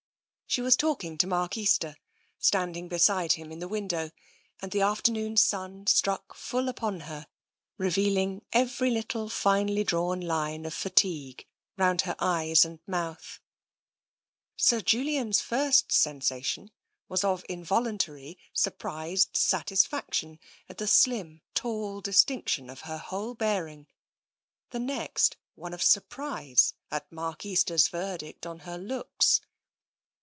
She was talking to Mark Easter, standing beside him in the window, and the afternoon sun struck full upon her, revealing every little finely drawn line of fatigue round her eyes and mouth. Sir Julian's first sensation was of involuntary, sur prised satisfaction at the slim, tall distinction of her whole bearing; the next, one of surprise at Mark Easter's verdict on her looks.